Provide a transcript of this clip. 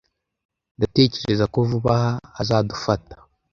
Ndatekereza ko vuba aha azadufata.